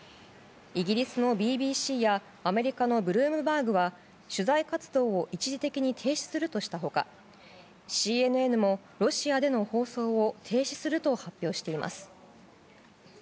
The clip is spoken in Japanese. イギリスのＢＢＣやアメリカのブルームバーグは取材活動を一時的に停止するとした他ＣＮＮもロシアでの放送を停止すると発表しています。